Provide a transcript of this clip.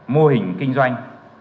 mô hình kinh doanh